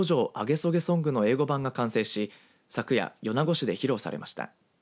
そげソングの英語版が完成し昨夜、米子市で披露されました。